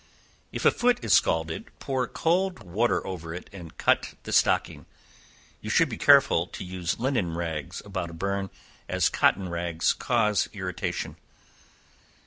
If a foot is scalded, pour cold water over it and cut the stocking. You should be careful to use linen rags about a burn, as cotton rags cause irritation.